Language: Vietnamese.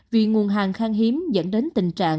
vì nguồn hàng khang hiếm dẫn đến tình trạng